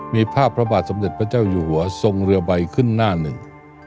มีภาพพระบาทสมเด็จพระเจ้าอยู่หัวทรงเรือใบขึ้นหน้าหนึ่ง